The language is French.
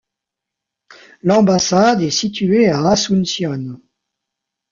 L'ambassade est située à Asuncion.